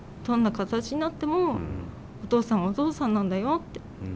「どんな形になってもお父さんはお父さんなんだよ」って。